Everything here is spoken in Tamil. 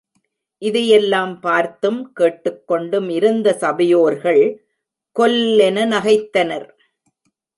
இதையெல்லாம் பார்த்தும் கேட்டுக்கொண்டும் இருந்த சபையோர்கள் கொல் என நகைத்தனர்!